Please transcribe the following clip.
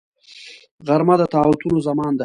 غرمه د طاعتونو زمان ده